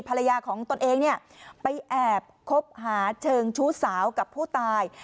ภรรยาของตนเองเนี่ยไปแอบคบหาเชิงชู้สาวกับผู้ตาย